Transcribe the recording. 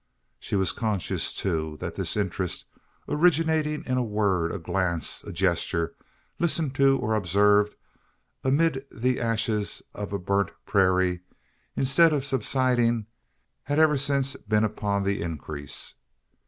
She was conscious, too, that this interest originating in a word, a glance, a gesture listened to, or observed, amid the ashes of a burnt prairie instead of subsiding, had ever since been upon the increase!